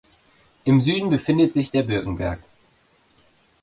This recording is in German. Im Süden befindet sich der Birkenberg.